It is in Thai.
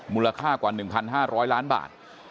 มูลค่ากว่า๑๕๐๐ล้านบาท